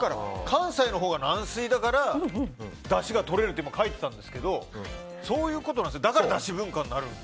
関西のほうが軟水だからだしがとれるって書いてあったんですけどそういうことなんですね。